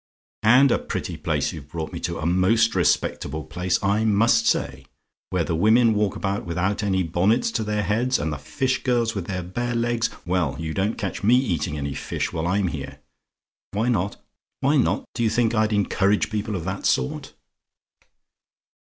"And a pretty place you have brought me to! A most respectable place, I must say! Where the women walk about without any bonnets to their heads, and the fish girls with their bare legs well, you don't catch me eating any fish while I'm here. "WHY NOT? "Why not, do you think I'd encourage people of that sort?